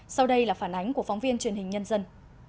sau đây là phản ánh của phóng viên truyền hình nhân dân